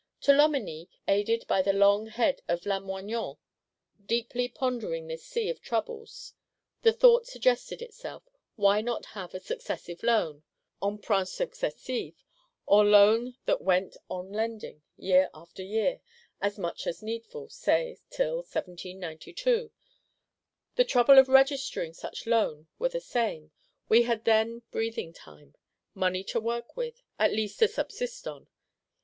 To Loménie, aided by the long head of Lamoignon, deeply pondering this sea of troubles, the thought suggested itself: Why not have a Successive Loan (Emprunt Successif), or Loan that went on lending, year after year, as much as needful; say, till 1792? The trouble of registering such Loan were the same: we had then breathing time; money to work with, at least to subsist on.